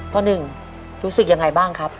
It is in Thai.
พ่อหนึ่งรู้สึกยังไงบ้างครับ